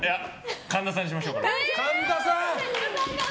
神田さんにしましょう。